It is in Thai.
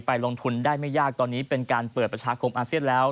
ลงทุนได้ไม่ยากตอนนี้เป็นการเปิดประชาคมอาเซียนแล้ว